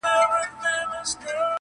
ښکلي آواز دي زما سړو وینو ته اور ورکړی!